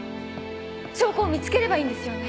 証拠を見つければいいんですよね。